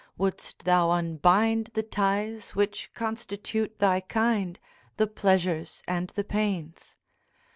wouldst thou unbind The ties which constitute thy kind, The pleasures and the pains?